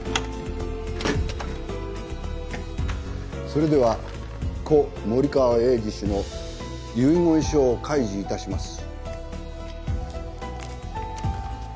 それでは故森川栄治氏の遺言書を開示いたします